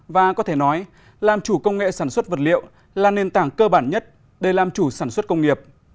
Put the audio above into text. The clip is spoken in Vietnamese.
và có thể nói làm chủ công nghệ sản xuất vật liệu là nền tảng cơ bản nhất để làm chủ sản xuất công nghiệp